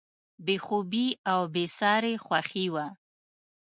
بې خوبي او بېساري خوښي وه.